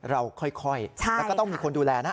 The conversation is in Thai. เราค่อยแล้วก็ต้องมีคนดูแลนะ